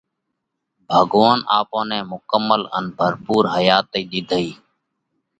ڀڳوونَ آپون نئہ مُڪمل ان ڀرپُور حياتئِي ۮِيڌئيه۔